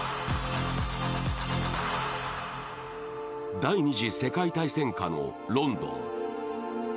第二次世界大戦下のロンドン。